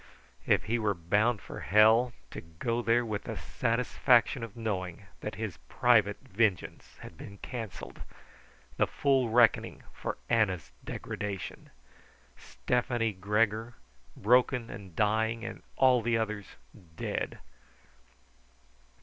If he were bound for hell, to go there with the satisfaction of knowing that his private vengeance had been cancelled. The full reckoning for Anna's degradation: Stefani Gregor, broken and dying, and all the others dead!